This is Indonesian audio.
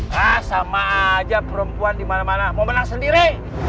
nah sama aja perempuan dimana mana mau menang sendiri